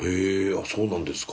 あそうなんですか。